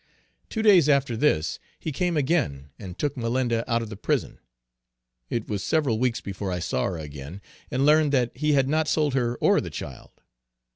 Two days after this he came again and took Malinda out of the prison. It was several weeks before I saw her again, and learned that he had not sold her or the child.